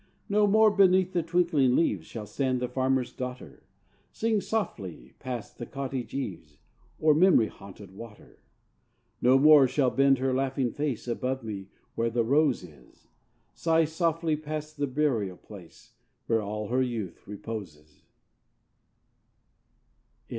No more beneath the twinkling leaves Shall stand the farmer's daughter! Sing softly past the cottage eaves, O memory haunted water! No more shall bend her laughing face Above me where the rose is! Sigh softly past the burial place, Where all her youth reposes!